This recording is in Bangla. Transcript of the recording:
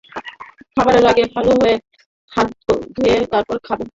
খাাবার আগে ভালো করে হাত ধুয়ে তারপর খাবেন।